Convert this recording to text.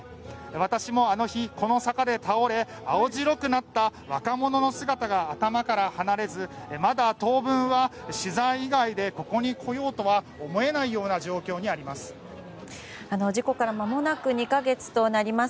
私もあの日、この坂で倒れ青白くなった若者の姿が頭から離れずまだ当分は取材以外でここに来ようとは思えない状況にあります。